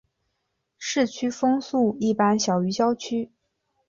市区风速一般小于郊区。